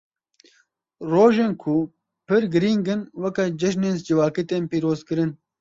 Rojên ku pir girîng in, weke cejinên civakî tên pîrozkirin.